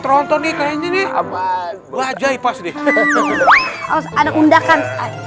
tronton di kayanya nih apa aja itu ada undakan